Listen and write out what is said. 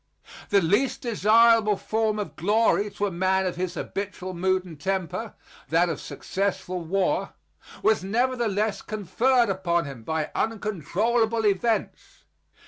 The least desirable form of glory to a man of his habitual mood and temper that of successful war was nevertheless conferred upon him by uncontrollable events.